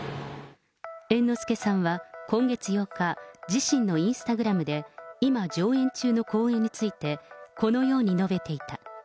猿之助さんは今月８日、自身のインスタグラムで、今、上演中の公演について、このように述べていた。